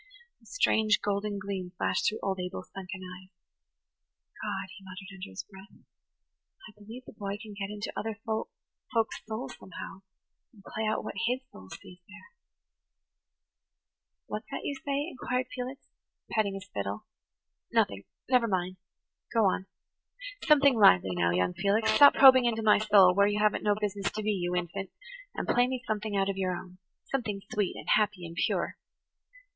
The strange, golden gleam flashed through old Abel's sunken eyes. "God," he muttered under his breath, "I believe the boy can get into other folk's souls somehow, and play out what his soul sees there." "What's that you say? "inquired Felix, petting his fiddle. "Nothing–never mind–go on. Something lively now, young Felix. Stop probing into my soul, where you haven't no business to be, you infant, and play me something out of your own–something sweet and happy and pure."